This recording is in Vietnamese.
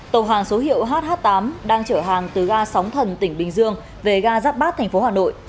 tàu hàng số hiệu hh tám đang chở hàng từ ga sóng thần tỉnh bình dương về ga giáp bát thành phố hà nội